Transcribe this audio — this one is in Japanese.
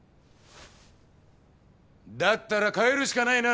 だったら変えるしかないな！